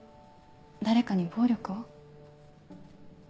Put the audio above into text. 誰かに暴力を？